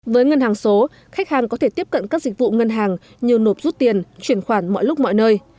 với ngân hàng số khách hàng có thể tiếp cận các dịch vụ ngân hàng như nộp rút tiền chuyển khoản mọi lúc mọi nơi